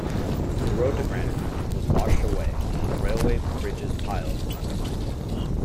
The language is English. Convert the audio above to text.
The road to Granton was washed away and the railway bridges piles were undermined.